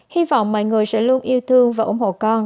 hy vọng mọi người sẽ luôn yêu thương và ủng hộ con